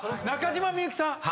「中島みゆき」さん！